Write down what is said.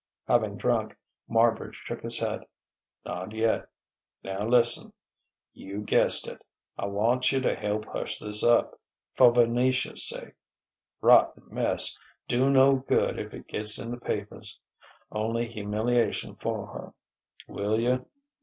Having drunk, Marbridge shook his head. "Not yet. Now, listen.... You guessed it: I want you to help hush this up, for Venetia's sake.... Rotten mess do no good if it gets in the papers only humiliation for her. Will you